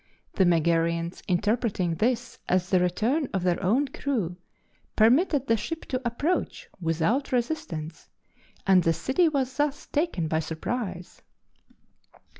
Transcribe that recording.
The Megarians, interpreting this as the return of their own crew, permitted the ship to approach without resistance, and the city was thus taken by surprise.